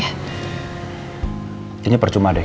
kayaknya percuma deh